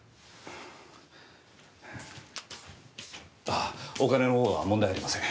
ああお金のほうは問題ありません。